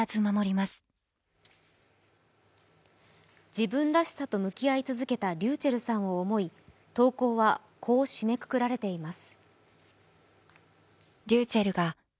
自分らしさと向き合い続けたｒｙｕｃｈｅｌｌさんを思い、投稿は、こう締めくくられています